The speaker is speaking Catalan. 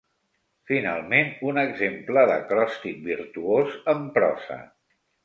Finalment, un exemple d'acròstic virtuós en prosa.